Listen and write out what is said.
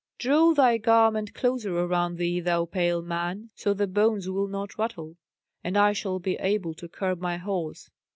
"Draw thy garment closer around thee, thou pale man, so the bones will not rattle, and I shall be able to curb my horse."